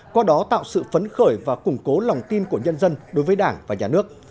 qua đó tạo sự phấn khởi và củng cố lòng tin của nhân dân đối với đảng và nhà nước